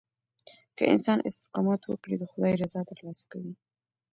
که انسان استقامت وکړي، د خداي رضا ترلاسه کوي.